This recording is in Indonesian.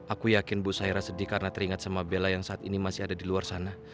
aku yakin bu saira sedih karena teringat sama bella yang saat ini masih ada di luar sana